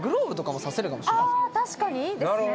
確かにいいですね。